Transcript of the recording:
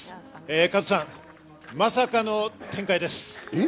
加藤さん、まさかの展開です。